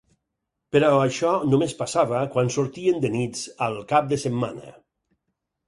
Però això només passava quan sortien de nits al cap de setmana.